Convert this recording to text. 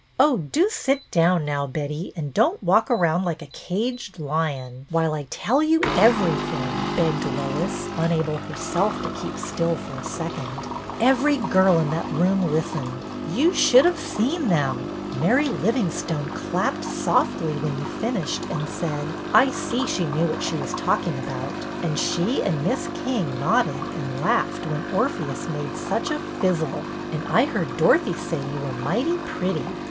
" Oh, do sit down now, Betty, and don't walk around like a caged lion, while I tell BETTY BAIRD 96 you everything," begged Lois, unable her self to keep still for a second. " Every girl in that room listened. You should have seen them. Mary Livingstone clapped softly when you finished and said, ' I see she knew what she was talking about,' and she and Miss King nodded and laughed when Orpheus made such a fizzle. And I heard Dorothy say you were mighty pretty."